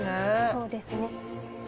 そうですね。